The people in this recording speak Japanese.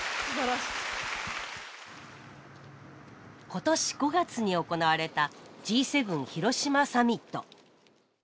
今年５月に行われたＧ７広島サミット。